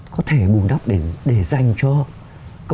có thể bù đắp để dành cho